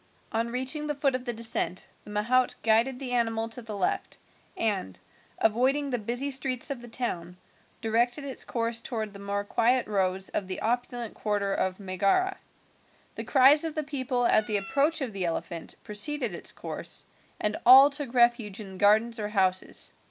On reaching the foot of the descent the mahout guided the animal to the left, and, avoiding the busy streets of the town, directed its course towards the more quiet roads of the opulent quarter of Megara. The cries of the people at the approach of the elephant preceded its course, and all took refuge in gardens or houses.